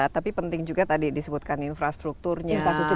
tapi penting juga tadi disebutkan infrastrukturnya